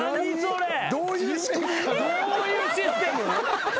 どういうシステム？